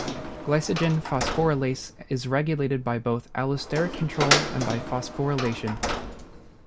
Glycogen phosphorylase is regulated by both allosteric control and by phosphorylation.